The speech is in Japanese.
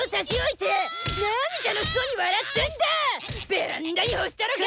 ベランダに干したろかい！